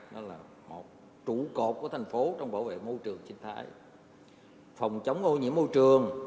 nó là một trụ cột của thành phố trong bảo vệ môi trường sinh thái phòng chống ô nhiễm môi trường